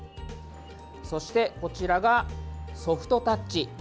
そしてこちらがソフトタッチ。